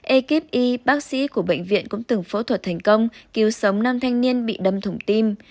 ekip y bác sĩ của bệnh viện cũng từng phẫu thuật thành công cứu sống nam thanh niên bị đâm thủng tim